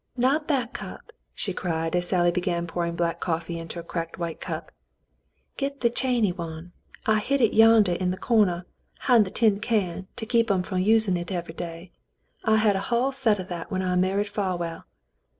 "Not that cup," she cried, as Sally began pouring black coffee into a cracked white cup. " Git th' chany one. I hid hit yandah in th' cornder 'hind that tin can, to keep 'em f'om usin' hit every day. I had a hull set o' that when I married Farwell.